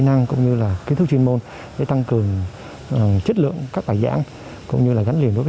năng cũng như là kỹ thức chuyên môn để tăng cường chất lượng các bài giảng cũng như là gắn liền với